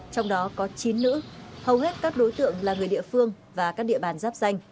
trong đó có chín nữ hầu hết các đối tượng là người địa phương và các địa bàn giáp danh